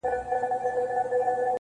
پلاره مه پرېږده چي ورور مي حرامخور سي,